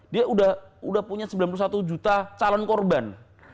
dia sudah punya sembilan puluh satu juta calon korban